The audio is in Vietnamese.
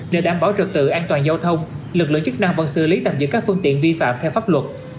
để đảm bảo trực tự an toàn giao thông lực lượng chức năng vẫn xử lý tạm giữ các phương tiện vi phạm theo pháp luật